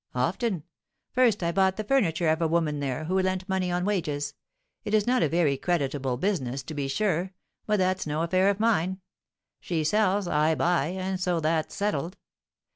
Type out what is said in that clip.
"Often. First I bought the furniture of a woman there, who lent money on wages; it is not a very creditable business, to be sure, but that's no affair of mine, she sells, I buy, and so that's settled.